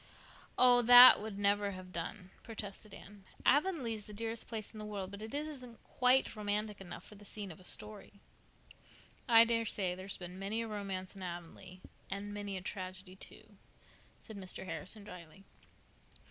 "Oh, that would never have done," protested Anne. "Avonlea is the dearest place in the world, but it isn't quite romantic enough for the scene of a story." "I daresay there's been many a romance in Avonlea—and many a tragedy, too," said Mr. Harrison drily.